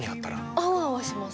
アワアワします